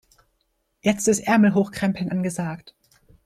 Jetzt ist Ärmel hochkrempeln angesagt.